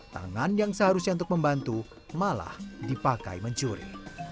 tangan yang seharusnya untuk membantu malah dipakai mencuri